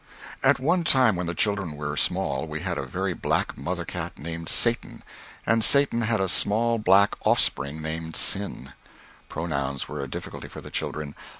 At one time when the children were small, we had a very black mother cat named Satan, and Satan had a small black offspring named Sin. Pronouns were a difficulty for the children.